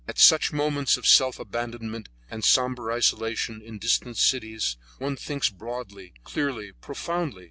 At such moments of self abandonment and sombre isolation in distant cities one thinks broadly, clearly and profoundly.